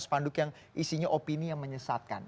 spanduk yang isinya opini yang menyesatkan